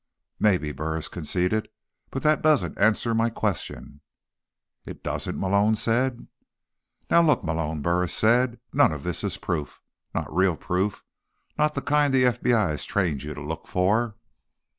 "Maybe," Burris conceded. "But that doesn't answer my question." "It doesn't?" Malone said. "Now look, Malone," Burris said. "None of this is proof. Not real proof. Not the kind the FBI has trained you to look for."